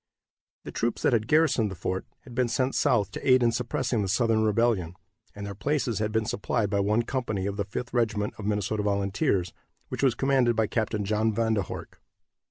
The troops that had garrisoned the fort had been sent south to aid in suppressing the Southern rebellion, and their places had been supplied by one company of the Fifth Regiment of Minnesota Volunteers, which was commanded by Capt. John Van der Horck.